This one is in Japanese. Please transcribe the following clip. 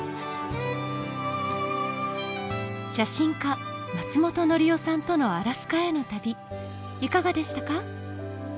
写真家松本紀生さんとのアラスカへの旅いかがでしたか？